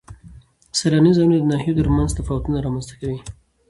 سیلاني ځایونه د ناحیو ترمنځ تفاوتونه رامنځ ته کوي.